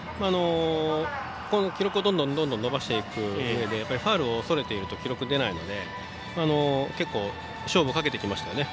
記録を、どんどん伸ばしていくうえでファウルを恐れていると記録が出ないので、結構勝負をかけてきましたよね。